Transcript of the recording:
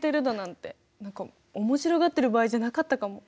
何か面白がってる場合じゃなかったかも。